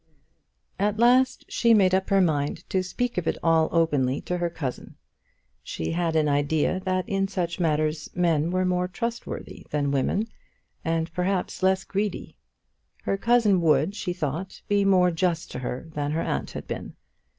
At last she made up her mind to speak of it all openly to her cousin. She had an idea that in such matters men were more trustworthy than women, and perhaps less greedy. Her cousin would, she thought, be more just to her than her aunt had been.